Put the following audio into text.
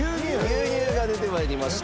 牛乳が出て参りました。